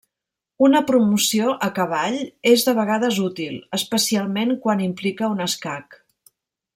Una promoció a cavall és de vegades útil, especialment quan implica un escac.